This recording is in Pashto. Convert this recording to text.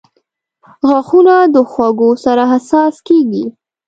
• غاښونه د خوږو سره حساس کیږي.